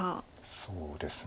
そうですね。